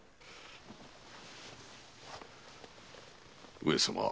上様。